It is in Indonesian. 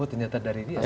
oh ternyata dari dia